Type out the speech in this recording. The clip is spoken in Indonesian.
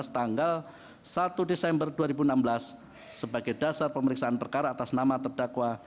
tanggal satu desember dua ribu enam belas sebagai dasar pemeriksaan perkara atas nama terdakwa